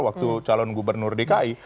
waktu calon gubernur dki